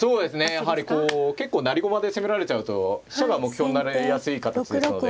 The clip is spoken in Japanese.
やはりこう結構成り駒で攻められちゃうと飛車が目標になりやすい形ですので。